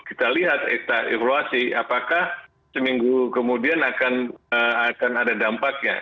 kita lihat kita evaluasi apakah seminggu kemudian akan ada dampaknya